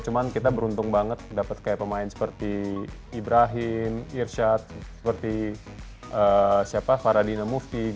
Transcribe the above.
cuma kita beruntung banget dapet pemain seperti ibrahim irsyad farah dinamufi